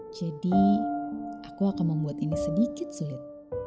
jadi aku akan membuat ini sedikit sulit